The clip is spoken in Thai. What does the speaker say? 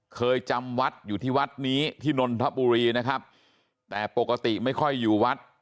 จำวัดอยู่ที่วัดนี้ที่นนทบุรีนะครับแต่ปกติไม่ค่อยอยู่วัด